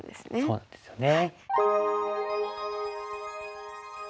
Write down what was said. そうなんですよね。